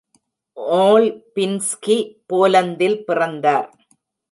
ஓல்பின்ஸ்கி போலந்தில் பிறந்தார்.